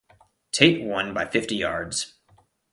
Tait won by fifty yards.